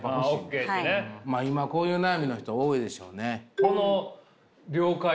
まあ今こういう悩みの人多いでしょうね。